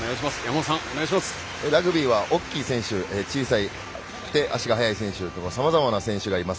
ラグビーは大きい選手小さくて、足が速い選手とさまざまな選手がいます。